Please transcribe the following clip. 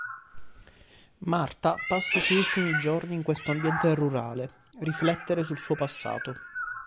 Martha passa i suoi ultimi giorni in questo ambiente rurale riflettere sul suo passato.